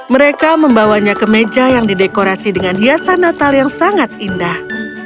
mereka membawanya ke meja yang didekorasi dengan hiasan natal yang sangat indah